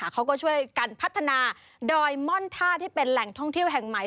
เขาก็ช่วยกันพัฒนาดอยม่อนท่าที่เป็นแหล่งท่องเที่ยวแห่งใหม่